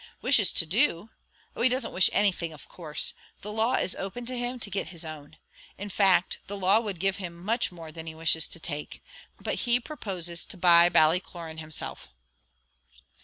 "Wishes to do? oh, he doesn't wish anything, of course; the law is open to him to get his own; in fact, the law would give him much more than he wishes to take: but he proposes to buy Ballycloran himself."